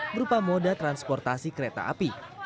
berupa moda transportasi kereta api